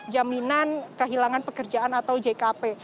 jaminan kehilangan pekerjaan atau jkp